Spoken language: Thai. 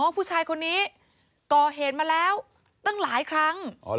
ผู้ชายคนนี้ก่อเหตุมาแล้วตั้งหลายครั้ง